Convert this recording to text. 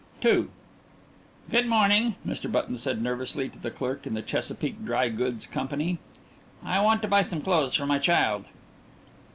II "Good morning," Mr. Button said nervously, to the clerk in the Chesapeake Dry Goods Company. "I want to buy some clothes for my child."